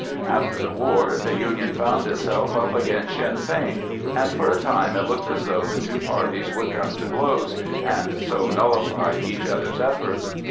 After the war the Union found itself up against Sinn Fein, and for a time it looked as though the two parties would come to blows and so nullify each other's efforts.